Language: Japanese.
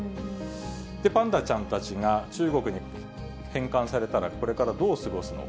パンダちゃんたちが中国に返還されたら、これからどう過ごすのか。